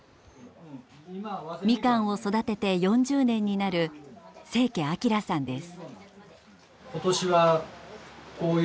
みかんを育てて４０年になる清家明さんです。